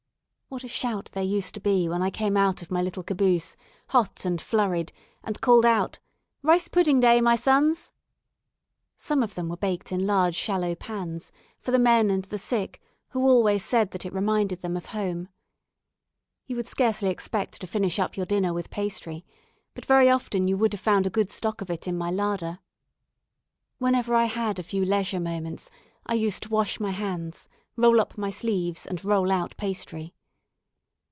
What a shout there used to be when I came out of my little caboose, hot and flurried, and called out, "Rice pudding day, my sons." Some of them were baked in large shallow pans, for the men and the sick, who always said that it reminded them of home. You would scarcely expect to finish up your dinner with pastry, but very often you would have found a good stock of it in my larder. Whenever I had a few leisure moments, I used to wash my hands, roll up my sleeves and roll out pastry.